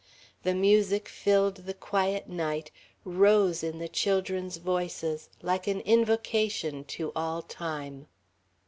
The music filled the quiet night, rose, in the children's voices, like an invocation to all time.